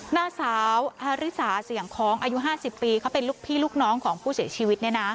นางสาวอาริสาเสี่ยงคล้องอายุ๕๐ปีเขาเป็นลูกพี่ลูกน้องของผู้เสียชีวิต